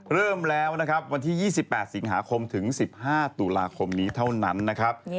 เริ่มแล้วนะครับวันที่๒๘สิงหาคมถึง๑๕ตุลาคมนี้เท่านั้นนะครับ